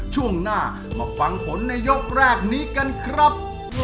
ช่วงหน้ามาฟังผลในยกแรกนี้กันครับ